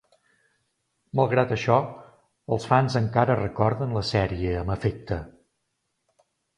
Malgrat això, els fans encara recorden la sèrie amb afecte.